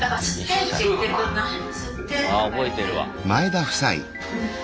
あ覚えてるわ。